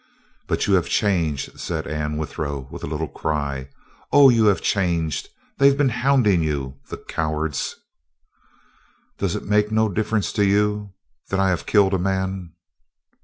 "But you have changed," said Anne Withero with a little cry. "Oh, you have changed! They've been hounding you the cowards!" "Does it make no difference to you that I have killed a man."